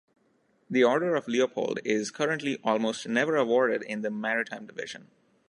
The Order of Leopold is currently almost never awarded in the Maritime Division.